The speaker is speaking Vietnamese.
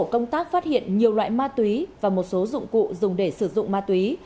công tác phát hiện nhiều loại ma túy và một số dụng cụ dùng để sử dụng ma túy